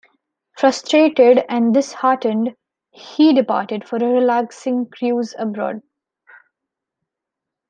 Frustrated and disheartened, he departed for a relaxing cruise abroad.